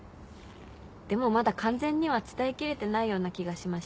でもまだ完全には伝えきれてないような気がしまして。